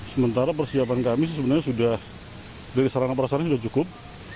sementara persiapan kami sebenarnya sudah dari sarana prasarana sudah cukup